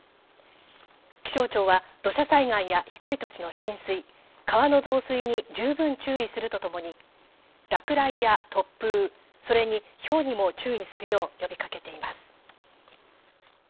気象庁は土砂災害や低い土地の浸水、川の増水に十分注意するとともに落雷や突風、それに、ひょうにも注意するよう呼びかけています。